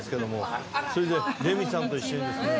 それでレミさんと一緒にですね。